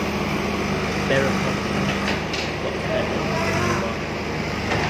Thereupon he met and got to know Hiroo Wada.